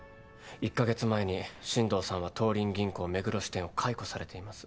１カ月前に新藤さんは東林銀行目黒支店を解雇されています。